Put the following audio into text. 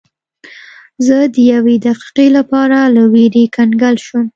زه د یوې دقیقې لپاره له ویرې کنګل شوم.